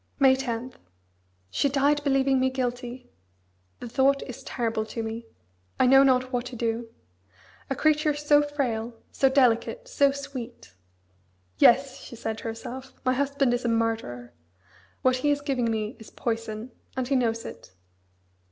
May 10. She died believing me guilty! The thought is terrible to me. I know not what to do. A creature so frail, so delicate, so sweet. "Yes!" she said to herself, "my husband is a murderer; what he is giving me is poison, and he knows it."